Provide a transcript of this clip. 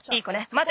まて！